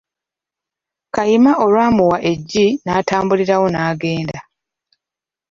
Kayima olwamuwa eggi n'atambulirawo n'agenda.